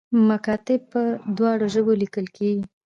مکاتیب په دواړو ژبو لیکل کیږي